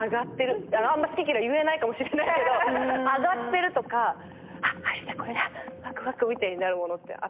あんま好き嫌い言えないかもしれないけど上がってるとか「あしたこれだワクワク」みたいになるものってある？